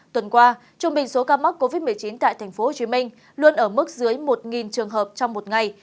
tuần qua trung bình số ca mắc covid một mươi chín tại tp hcm luôn ở mức dưới một trường hợp trong một ngày